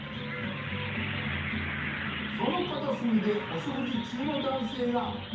その片隅でお食事中の男性が。